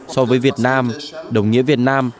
so với việt nam đồng nghĩa việt nam